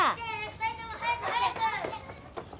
２人とも早く早く！